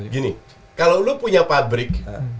gini kalau lo punya pabrik